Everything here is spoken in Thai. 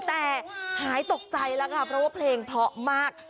แต่หายตกใจแล้วค่ะเพราะว่าเพลงเพราะมาก